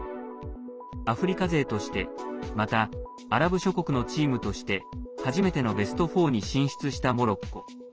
アフリカ勢としてまた、アラブ諸国のチームとして初めてのベスト４に進出したモロッコ。